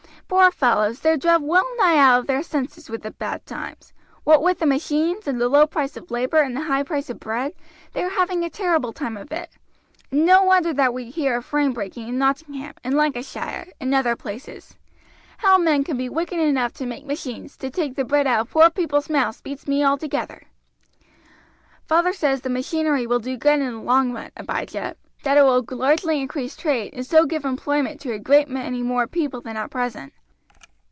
Poor fellows! they're druv well nigh out of their senses with the bad times. What with the machines, and the low price of labor, and the high price of bread, they are having a terrible time of it. And no wonder that we hear of frame breaking in Nottingham, and Lancashire, and other places. How men can be wicked enough to make machines, to take the bread out of poor men's mouths, beats me altogether." "Father says the machinery will do good in the long run, Abijah that it will largely increase trade, and so give employment to a great many more people than at present.